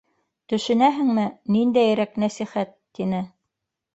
— Төшөнәһеңме, ниндәйерәк нәсихәт? — тине.